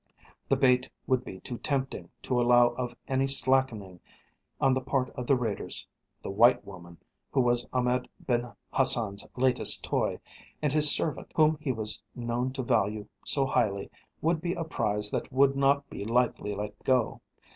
The bait would be too tempting to allow of any slackening on the part of the raiders. The white woman, who was Ahmed Ben Hassan's latest toy, and his servant, whom he was known to value so highly, would be a prize that would not be lightly let go.